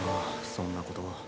そんなこと。